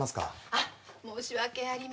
あっ申し訳ありません。